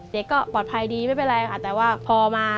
ตอนนี้ไม่เป็นไรค่ะแต่ว่าพอมา